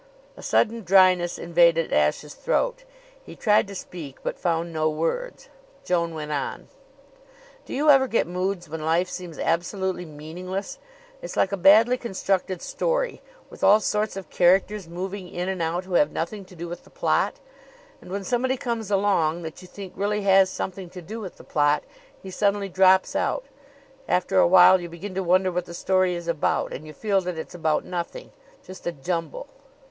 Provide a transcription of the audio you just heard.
A sudden dryness invaded Ashe's throat. He tried to speak, but found no words. Joan went on: "Do you ever get moods when life seems absolutely meaningless? It's like a badly constructed story, with all sorts of characters moving in and out who have nothing to do with the plot. And when somebody comes along that you think really has something to do with the plot, he suddenly drops out. After a while you begin to wonder what the story is about, and you feel that it's about nothing just a jumble."